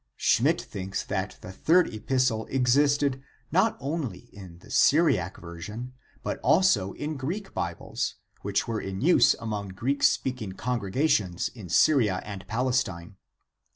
Schmidt thinks that the third epis tle existed not only in the Syriac version, but also in Greek Bibles which were in use among Greek speaking con gregations in Syria and Palestine.